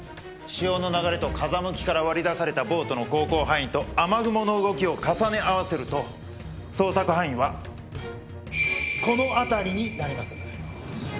潮の流れと風向きから割り出されたボートの航行範囲と雨雲の動きを重ね合わせると捜索範囲はこの辺りになります。